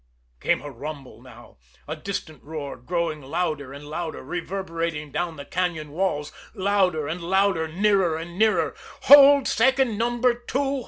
Came a rumble now a distant roar, growing louder and louder, reverberating down the cañon walls louder and louder nearer and nearer. "Hold second Number Two.